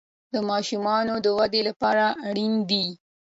د ماشومانو د ودې لپاره اړین دي.